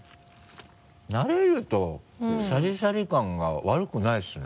慣れるとシャリシャリ感が悪くないですね。